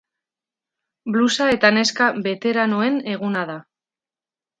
Blusa eta neska beteranoen eguna da.